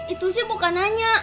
itu sih bukan nanya